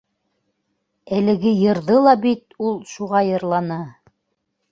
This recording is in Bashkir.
Әлеге йырҙы ла бит ул шуға йырланы...